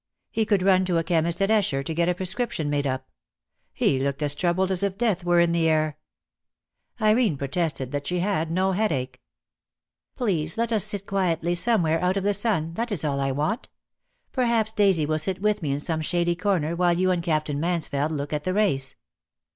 He could run to a chemist at Esher to get a prescription made up. He looked as troubled as if death were in the air. DEAD LOVE HAS CHAINS. 213 Irene protested that she had no headache. "Please let us sit quietly somewhere, out of the sun. That is all I want. Perhaps Daisy will sit with me in some shady corner while you and Cap tain Mansfeld look at the race."